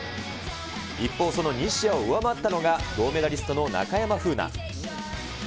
一方、その西矢を上回ったのが、銅メダリストの中山楓奈。